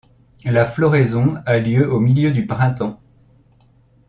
La floraison a lieu au milieu du printemps.